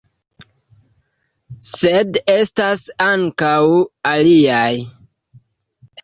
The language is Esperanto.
Sed estas ankaŭ aliaj.